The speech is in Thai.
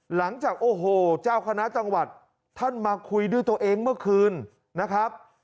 หลังจากโอ้โหเจ้าคณะจังหวัดท่านมาคุยด้วยตัวเองเมื่อคืนนะครับ